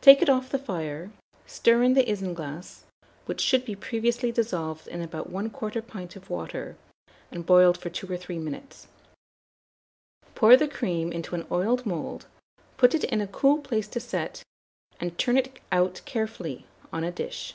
Take it off the fire; stir in the isinglass, which should be previously dissolved in about 1/4 pint of water, and boiled for 2 or 3 minutes; pour the cream into an oiled mould, put it in a cool place to set, and turn it out carefully on a dish.